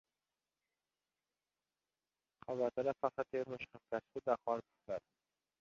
Qabatida paxta termish hamkasbi Dahoni pufladi: